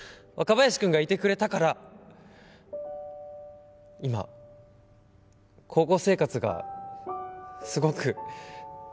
若林くんがいてくれたから今高校生活がすごく